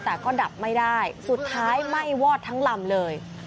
แต่ก็ดับไม่ได้สุดท้ายไหม้วอดทั้งลำเลย